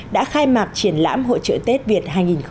đã khai mạc triển lãm hội trợ tết việt hai nghìn một mươi bảy